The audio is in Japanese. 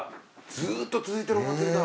ずっと続いてるお祭りだ。